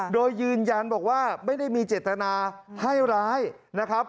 โดยยืนยันบอกว่าไม่ได้มีเจตนาให้ร้ายนะครับ